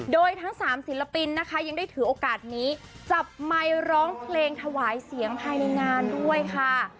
โดยทั้งสามศิลปินนะคะยังได้ถือโอกาสนี้จับไมค์ร้องเพลงถวายเสียงภายในงานด้วยค่ะ